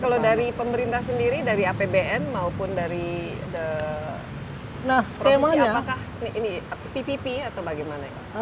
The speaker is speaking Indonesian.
kalau dari pemerintah sendiri dari apbn maupun dari provinsi apakah ini ppp atau bagaimana